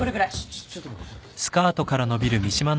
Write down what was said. ちょちょっと待って。